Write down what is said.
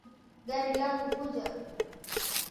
Gari langu kuja